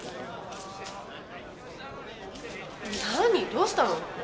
どうしたの？